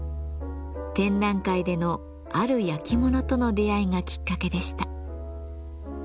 展覧会でのある焼き物との出会いがきっかけでした。